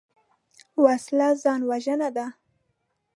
وسله ځان وژنه ده